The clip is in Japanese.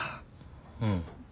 うん。